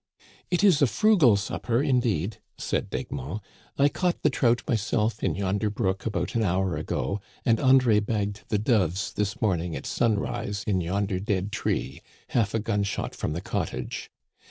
" It is a frugal supper, indeed," said D'Egmont. " I caught the trout myself in yonder brook, about an hour ago, and André bagged the doves this morning at sun rise, in yonder dead tree, half a gunshot from the cot tage.